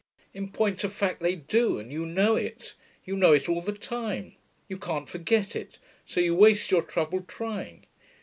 In point of fact, they do, and you know it. You know it all the time: you can't forget it, so you waste your trouble trying.